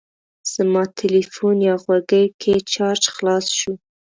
زما تلیفون یا غوږۍ کې چارج خلاص شو.